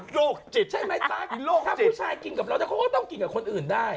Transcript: ลูกจิตใช่ไหมจ๊ะถ้าผู้ชายกินกับเราได้เขาก็ต้องกินกับคนอื่นได้